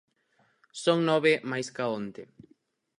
Son nove máis ca onte.